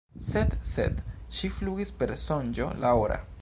Sed, sed „ŝi flugis per sonĝo la ora!“